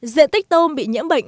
diện tích tôm bị nhiễm bệnh